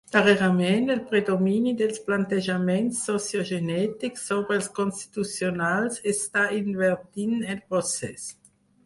Darrerament, el predomini dels plantejaments sociogenètics sobre els constitucionals està invertint el procés.